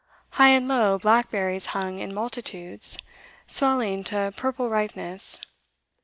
High and low, blackberries hung in multitudes, swelling to purple ripeness.